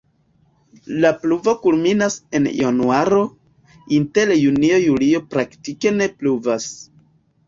La pluvo kulminas en januaro, inter junio-julio praktike ne pluvas.